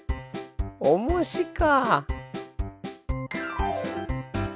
おもしか。